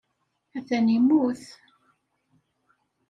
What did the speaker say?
Atan immut.